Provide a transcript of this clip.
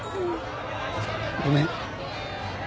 ごめん。